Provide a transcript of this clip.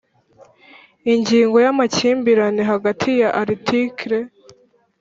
Ingingo ya Amakimbirane hagati Article